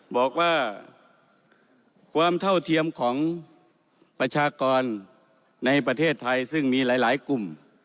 บอกว่าความเท่าเทียมของประชากรในประเทศไทยซึ่งมีหลายกลุ่ม